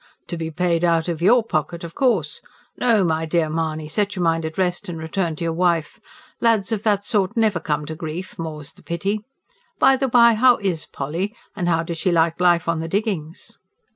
"To be paid out of YOUR pocket, of course! No, my dear Mahony, set your mind at rest and return to your wife. Lads of that sort never come to grief more's the pity! By the bye, how IS Polly, and how does she like life on the diggings?"